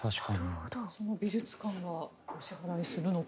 美術館がお支払いするのか。